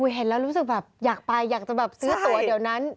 เห็นแล้วรู้สึกแบบอยากไปอยากจะแบบซื้อตัวเดี๋ยวนั้น